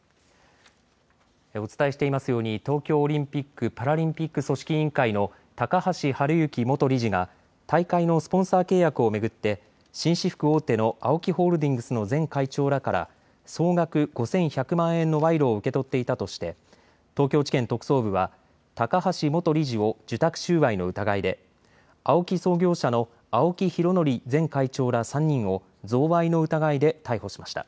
お伝えしていますように東京オリンピック・パラリンピック組織委員会の高橋治之元理事が大会のスポンサー契約を巡って紳士服大手のＡＯＫＩホールディングスの前会長らから総額５１００万円の賄賂を受け取っていたとして東京地検特捜部は高橋元理事を受託収賄の疑いで、ＡＯＫＩ創業者の青木拡憲前会長ら３人を贈賄の疑いで逮捕しました。